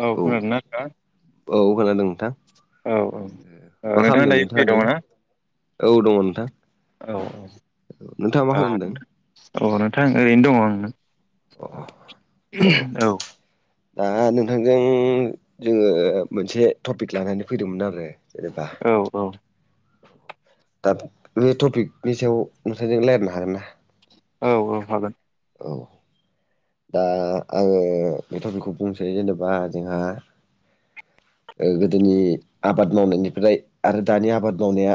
औ खोनादो ना नोंथां? औ खोनादों नोंथां औ औ ओ नोंथाङा दायो फ्रि दङ ना? औ दङ नोंथां। औ औ नोंथाङा मा आ खालामदों नोंथां औ नोंथां ओरैनो दङ आं औ दा नोंथांजों जोङो मोनसे टपिक लानानै फैदोंमोन आरो जेनेबा औ औ दा बे टपिकनि सायाव नोंथांजों लायरायनो हागोन ना? औ औ हागोन औ दा आङो बेथ'बेखौ बुंसै जेनेबा जोंहा ओ गोदोनि आबाद मावनायनिफ्राय आरो दानि आबाद मावनाया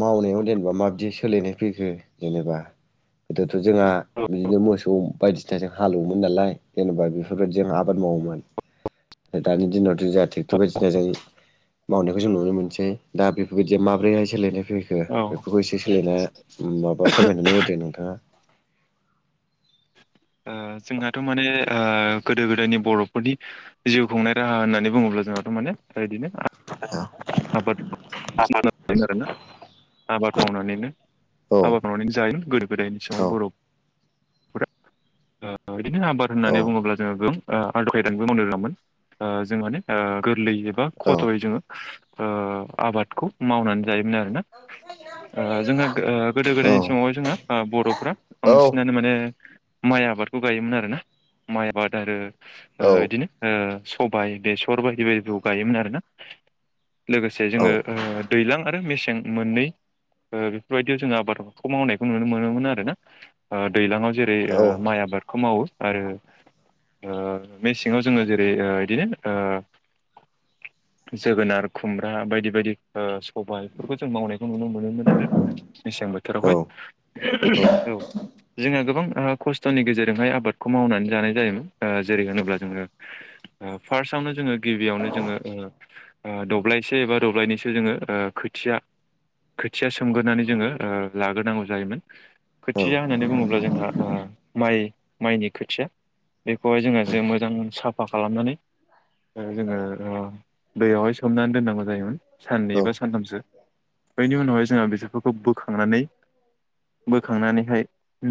मावनायाव जेनेबा माब्बदि सोलिनाय फैखो जेनेबा गोदोथ' जोंहा औ बिदिनो मोसौ बायदिसिनाजों हालेवोमोन नालाय जेनेबा बेफोरबायदि जों आबाद मावोमोन। ओ दानि दिनावथ' जोंहा टेक्टर बायदिसिनाजों मावनायखौ जों नुनो मोनसै दा बेफोरबायदिया माब्रैहाय सोलायनाय फैखो औ बेफोरखौ एसे सोलायना माबा फोरमायनानै होदो नोंथाङा। ओ जोंहाथ' माने ओ गोदो गोदायनि बर'फोरनि जिउ खुंनाय राहा होननानै बुङो। जोंहाथ' माने बेबायदिनो। [unintelligible] [unintelligible] आबाद मावनानैनो आबाद औ मावनानै जायो गोदो गोदायनि औ समाय बर' ओ बिदिनो आबाद औ होननानै बुङोब्ला जोङो गोम ओ आदब खायदानिबो मावनो रोङामोन ओ जों माने ओ गोरलै एबा औ खथ'यै जोङो ओ आबादखौ मावनानै जायोमोन आरोना? ओ जोंहा गो ओ गोदो गोदायनि समावहाय जोंहा ओ बर'फ्रा औ बांसिनानो माने माइ आबादखौ गायोमोन आरोना माइ आबाद आरो औ ओ इदिनो ओ सबाइ बेसर बायदि बायदिखौ गायोमोन आरोना? लोगोसे औ जोङो ओ दैज्लां आरो मेसें मोननै ओ बेफोरबायदियाव जोङो आबादखौ मावनायखौ नुनो मोनोमोन आरो ना ओ दैज्लांआव दै ओ माइ आबादखौ मावो। आरो ओ मेसेङाव जोङो जेरै ओ इदिनो ओ जोगोनार खुमब्रा बायदि बायदि ओ सबाय बेफोरखौ जों मावनायखौ नुनो मोनोमोन आरो मेसें बोथोरावहाय औ जोङो गोबां ओ खस्थ'नि गेजेरजोंहाय आबादखौ मावनानै जानाय जायोमोन ओ जेरै होनोब्ला जोङो ओ फार्स्टआवनो जोङो गिबियावनो जोङो ओ ओ दब्लायसो बा दब्लायनैसो जोङो ओ खोथिया खोथिया सोमगोरोनानै जोङो ओ लागोरनांगौ जायोमोन खोथिया होननानै बुङोब्ला जोंहा ओ माइ माइनि खोथिया बेखौहाय जोङो जे मोजां साफा खालामनानै ओ जोङो ओ दैयावहाय सोमनानै दोननांगौ जायोमोन साननै बा सानथामसो बेनि उनावहाय जोंहा बेसोरफोरखौ बोखांनानै बोखांनानैहाय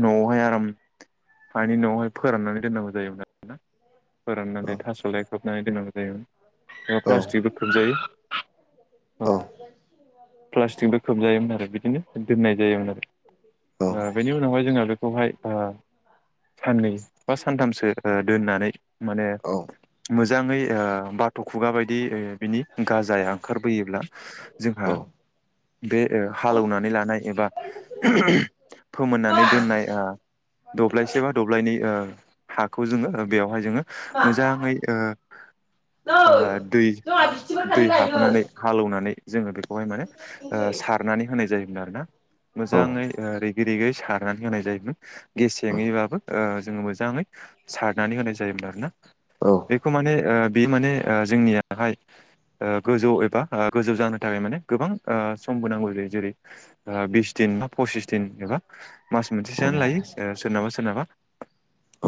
न'आवहाय आराम [unintelligible] हानि न'आवहाय फोराननानै दोननांगौ जायोमोन आरोना फोराननानै थास' लाय खोबनानै दोननांगौ जायोमोन बेयाव प्लास्टिकबो खोबजायो। औ प्लास्टिकबो खोबजायोमोन आरो बिदिनो दोननाय जायोमोन आरो। ओ बेनि उनावहाय जोंङो बेखौहाय ओ साननै बा सानथामसो ओ दोननानै माने औ मोजाङै ओ बाथ' खुगा बायदि ओ बिनि गाजाया ओंखारबोयोब्ला जोंहा बे हालौनानै लानाय एबा औ फोमोननानै दोननाय दब्लायसे बा दब्लायनै ओ हाखौ जोङो बेवहाय जोङो औ मोजाङै नै जोंहा बिस्थिबार खालि दै-दै गायगोन हाबफोनानै हालेवनानै जोङो बेखौहाय माने बुंसै सारनानै होनाय जायोमोन आरोना मोजाङै जोंहा रेगि रेगि सारनानै होनाय जायोमोन गेसेङैबाबो जोङो मोजाङै सारनानै होनाय जायोमोन आरोना। बेखौ माने ओ बे माने जोंनियाहाय गोजौ एबा गोजौ जानो थाखाय माने गोबां समबो नांगौ जायो जेरै बिस दिन बा पसिस दिन एबा मास मोनसेसोआनो लायो सोरनाबा सोरनाबा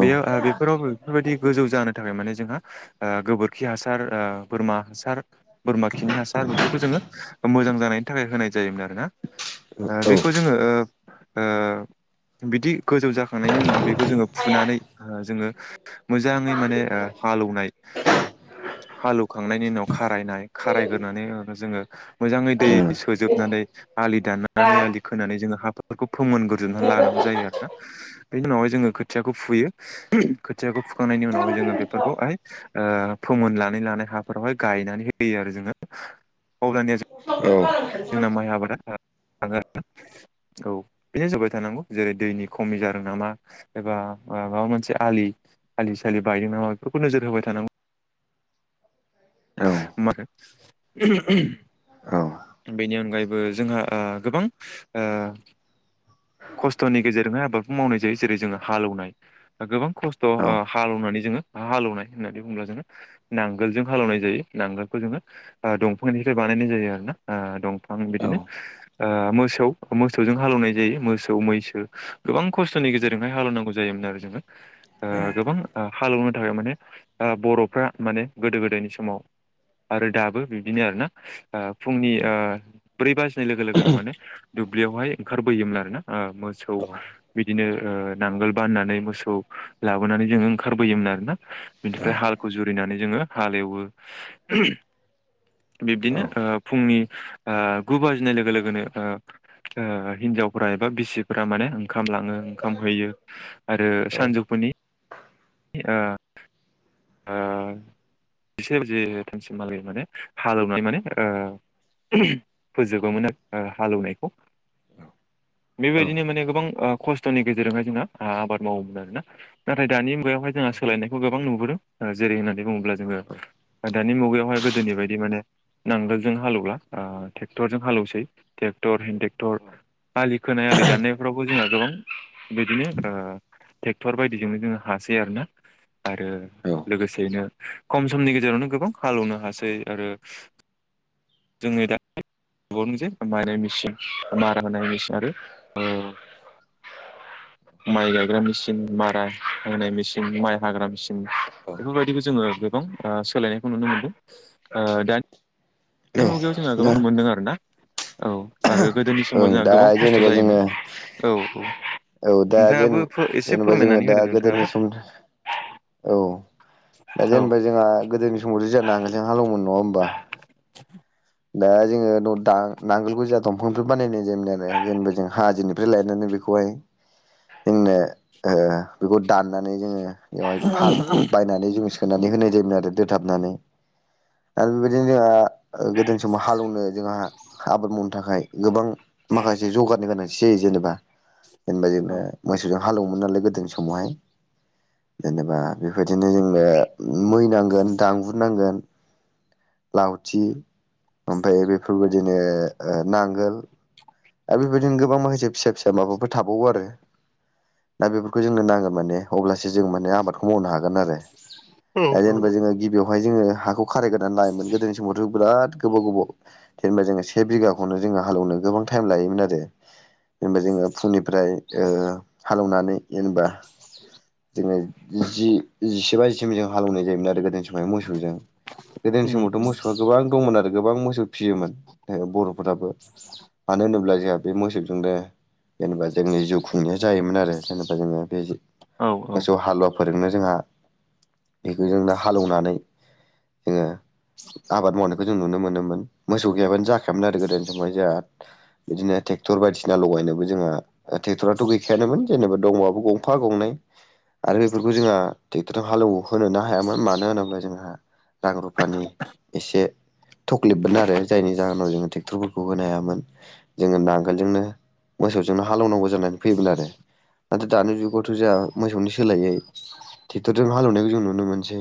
बेयो बेफोराव बेफोरबायदि गोजौ जानो थाखाय माने जोंहा गोबोरखि हासार बोरमा हासार बोरमा खिनि हासार बेफोरखौ जोङो मोजां जानायनि थाखाय होनाय जायोमोन आरो ना। बेखौ जोङो बिदि गोजौ जाखांनायनि उनाव बे जोङो माया फुनानै जोङो मोजाङै माने हालौनाय हालौखांनायनि उनाव खारायनाय खारायग्रोनानै उनाव जोङो मोजाङै दै सोजोबनानै आलि हा दाननानै आलि खोनानै जोङो बेखौ फोमोनग्रोजोबनानै लानांगौ जायो आरोना बेनि उनावहाय जोङो खोथियाखौ फुयो। खोथियाखौ फुखांनायनि उनावहाय जोंहाबो जोङो फैगोनथ' बेफोरखौहाय फोमोन नानै लानाय हाफोरावहाय गायनानै होयो आरो जोङो अब्लानिया जोङो नोंस्रावबो बानायखानोसै जोंना माइ आबादा थाङो आरोना औ बिनो सोबाय थानांगौ जेरै दैनि खमि जादों नामा एबा माबा मोनसे आलि आालिसाालि बायदों नामा बेफोरखौ नोजोर होबाय थानांगौ। [inaudible] [unintelligible] बेनि अनगायैबो। जोंहा गोबां खस्थ'नि गेजेरजोंहाय आबादखौ मावनाय जायो जेरै जोङो हालौवनाय गोबां खस्थ' हालौनानै जोङो हालेवनाय होननानै बुङोब्ला जोङो नांगोलजों हालौनाय जायो नांगोल खौ जोङो दंफांनिफ्राय बानायनाय जायो आरोना दंफां बिदिनो मोसौ मोसौजों हालौवनाय जायो मोसौ मैसो गोबां खस्थ'नि गेजेरजोंहाय हालौवनांगौ जायोमोन आरो गोबां हालेवनो थाखाय माने बर'फ्रा माने गोदो गोदायनि समाव आरो दाबो बिदिनो आरोना फुंनि ब्रै बाजि लोगो लोगोनो माने दुब्लियावहाय ओंखारबोयोमोन आरो ना मोसौ बिदिनो नांगोल बाननानै मोसौ लाबोनानै जोङो ओंखारबोयोमोन आरोना बिनिफ्राय हालखौ जुरिनानै जोङो हाल एवो बिब्दिनो फुंनि गु बाजिनाय लोगो लोगोनो हिनजावफ्रा एबा बिसिफ्रा माने ओंखाम लाङो ओंखाम हैयो। यो आरो सानजौफुनि ओ-ओ जिसे बाजिथामसिम मालाय माने हालेवनाय माने फोजोबोमोन हालेवनायखौ। [inaudible] बेबायदिनो माने गोबां खस्थ'नि गेजेरजोंहाय जोंना आबाद मावोमोन आरोना नाथाय दानि मुगायाव बेहाय जोंहा सोलायनायखौ गोबां नुबोदों जेरै होन्नानै बुङोब्ला जोङो दानि मुगायावहाय गोदोनि बायदि माने नांगोलजों हाले एवला ट्रेक्टरजों हालेवसै ट्रेक्टर हो ट्रेक्टर थ आलि खोनाय आलि दाननायफ्रावबो जोंना गोबां बिदिनो ट्रेक्टर बायदिजोंनो जोङो हासो आरोना आरो लोगोसेयैनो खम समनि गेजेरावनो गोबां हालेवनो हासै आरो [inaudible] जोङो दा [unintelligible] ओ माइ गायग्रा मेसिन मारा होनाय मेसिन माइ हाग्रा मेसिन बेफोरबायदिखौ जोङो गोबां सोलायनायखौ नुनो मोनदों। ओ दानि मुगायाव जोंहा गोबां मोनदों आरोना? औ आरो गोदोनि समाव ओं जोंहा दा गोबां खस्थ' जेनेबा जायोमोन जोङो औ औ दा जेन नोंथाङाबो एसे जेनेबा जोङो फोरमायनानै दा होदो गोदोनि नोंथाङाबो। सम औ दा औ जेनेबा जोंहा गोदोनि समावथ' जोंहा नांगोलजों हालौवोमोन नङा होमबा? दा जोङो द दा नांगोलखौ जोहा दंफांनिफ्राय बानायनाय जायोमोन आरो जेनेबा जों हाजोनिफ्राय लायनानै बेखौहाय जोंनो ओ बेखौ दाननानै जोङो बेवहाय फाल बायनानै जों सोना नै होनाय जायोमोन आरो दोथाबनानै‌ आरो बेबायदिनो जोंहा ओ गोदोनि समाव हालेवनो जोंहा आबाद मावनो थाखाय गोबां माखासे जगारनि गोनांथि जायो जेनेबा। जेनेबा औ इदिनो मोसौजों हालेवोमोन नालाय गोदोनि समावहाय? जेनेबा बेबायदिनो जोंनो मै नांगोन, दांगुर नांगोन लावथि ओमफ्राय बेफोरबायदिनो ओ नांगोल आरो बेबायदिनो गोबां माखासे फिसा फिसा माबाफोर थाबावो आरो। दा बेफोरखौ जोंनो नांगोन माने अब्लासो जों माने आबादखौ मावनो हागोन आरो औ दा औ जेनेबा जोङो गिबियाव हाय जोङो हाखौ खारायग्रोननानै लायोमोन। गोदोनि समावथ' बिराद गोबाव गोबाव जेनेबा जों से बिघाखौनो जों जोंहा हालौवनो गोबां टाइम लायोमोन आरो। जेनेबा जोङो फुंनिफ्राय ओ हालेवनानै जेनेबा जोङो जि जिसे बाजिसिम जों हालौवनाय जायोमोन आरो गोदोनि स माव मोसौजों गोदोनि उम उम समावथ' मोसौआ गोबां दंमोन आरो गोबां मोसौ फिसियोमोन बर' [inaudible] होनोब्ला जोंहा बे मोसौजोंनो जेनेबा जोंनि जिउ खुंनाया जायोमोन आरो जेनेबा जोङो बे औ औ मोसौ हालुवा फोरजोंनो जोंहा बेखौ जेनेबा हालेवनानै जोङो आबाद मावनायखौ जों नुनो मोनोमोन मोसौ गैयाबानो जाखायामोन आरो गोदोनि समावहाय जोंहा। बिदिनो ट्रेक्टर बायदिसिना लगायनोबो जोंहा ट्रेक्ट'राथ' गैखायानोमोन जेनेबा दंबाबो गंफा गंनै। आरो बेफोरखौ जोंहा ट्रेक्टरजों हालौ एवहोनो हायामोन मानो होनोब्ला जोंहा रां रुफानि एसे थक्लिबमोन आरो जायनि जाहोनाव जोङो ट्रेक्टरफोरखौ होनो हायामोन। जोङो नांगोलजोंनो मोसौजोंनो हालौनांगौ जानानै फैयोमोन आरो। नाथाय दानि जुगावथ' जोंहा मोसौनि सोलायै ट्रेक्टरजों हालेवनायखौ जों नुनो मोनसै।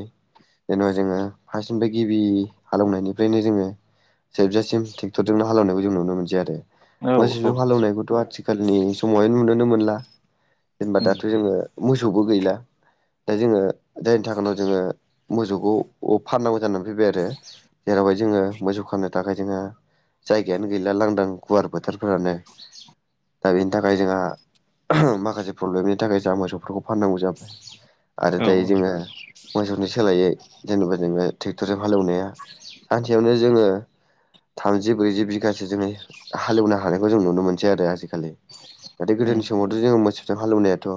जेन'बा जोङो फासनिफ्राय गिबि हालेवनायनिफ्रायनो जोङो जोबजासिम ट्रेक्टरजोंनो हालेनायखौ जों नुनो मोनसै आरो। औ मोसौजों हालेवनायखौथ' आथिखालनि समावहाय नुनोनो मोनला। जेनेबा उम दाथ' उम जोङो मोसौबो गैला दा जोङो जायनि थाखायनो जोङो मोसौखौ फाननांगौ जानानै फैबाय आरो। जेरावहाय जोङो मोसौ खानो थाखाय जोंहा जायगायानो गैला लांदां गुवार फोथरफोरानोक्षदा बेनि थाखाय जोंहा माखासे प्रब्लेमनि थाखाय जा मोसौफोरखौ फाननांगौ जाबाय। आरो औ उम औ दायो जोङो मोसौनि सोलायै जेनेबा जोङो ट्रेक्टरजों हालेवनाया सानसेयावनो जोङो थामजि ब्रैजि बिगासो जोङो हालेवनो हानायखौ जों नुनो मोनसै आरो आजि खालि। नाथाय गोदोनि समावथ' जोङो मोसौ जों हालौनायाथ'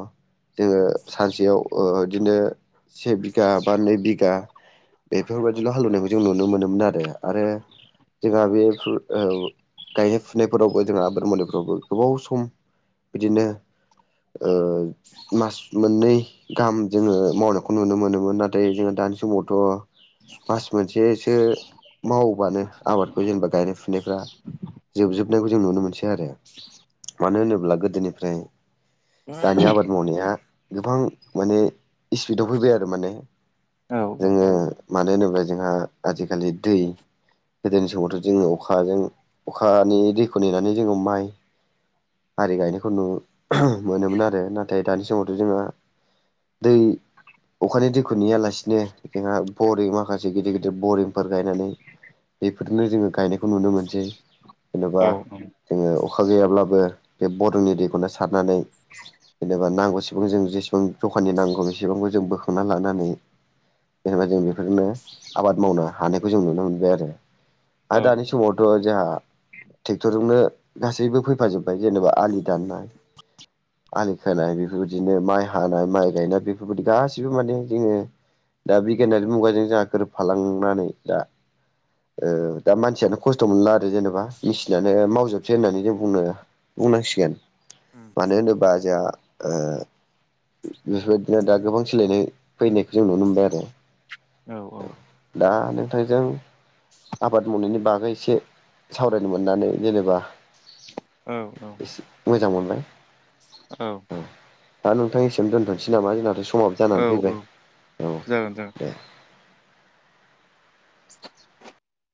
जोङो सानसेयाव ओ बिदिनो से बिघा बा नै बिघा बेफोरबायदिल' हालौवनायखौ जों नुनो मोनोमोन आरो आरो जोंहा बे फो औ। गायनाय फुनायफोरावबो जोंहा आबाद मलिफोरावबो गोबाव सम बिदिनो ओं मास मोननै गाहाम जोङो मावनायखौ नुनो मोनोमोन नाथाय जोङो दानि समावथ' मास मोनसेसो मावोबानो आबादखौ जेनेबा गायनाय फुनायफ्रा जोबजोबनायखौ जों नुनो मोनसै आरो मानो होनोब्ला गोदोनिफ्राय दानि आबाद मावनाया गोबां माने स्पिडाव फैबाय आरो माने जोङो मानो होनोब्ला जोंहा आजिखालि दै गोदोनि समावथ' जोङो अखाजों अखानि दैखौ नेनानै जोङो माइ आरि गायनायखौ नुमोनोमोन आरो नाथाय दानि समावथ' जोंहा दै अखानि दैखौ नेयालासिनो जोंहा बरिं माखासे गिदिर गिदिर बरिंफोर गायनानै बेफोरनो जोङो गायनायखौ नुनो मोनसै जेन'बा जोङो अखा गैयाब्लाबो बे बरिंनि दैखौनो सारनानै जेनेबा नांगौसिम जों जेसेबां जखानि नांगौ इसेबांखौ जों बोखांना लानानै जेनबा जों बेफोरनो आबाद मावनो हानायखौ जों नुनो मोनबाय आरो हा दानि समावथ जोंहा ट्रेक्टरजोंनो गासैबो फैफाजोबबाय जेनेबा आलि दाननाय आलि खोनाय बेफोरबायदिनो माइ हानाय माइ गायनाय बेफोरबायदि गासिबो माने जोङो दा बिगियानारि मुगाजों जोंहा गोरोबफालांनानै दा ओ दा मानसियानो खस्थ' मोनला आरो। आरो जेनेबा मेसिनानो मावजोबसै होननानै जों बुंनो बुंनांसिगोन। मानो होनोबा जोंहा ओ बेफोरबादिनो दानि जुगाव सोलायनाय फैनायखौ जों नुनो मोनबाय आरो औ औ दा नोंथांजों आबाद मावनायनि बागै एसे सावरायनो मोननानै जेनेबा औ औ एसे मोजां मोनबाय औ दा नोंथां एसेयावनो दोनथनोसै नामा जोंना सम समाबो औ जानानै फैबाय औ औ जागोन जागोन दे [inaudible]